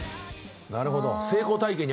なるほど。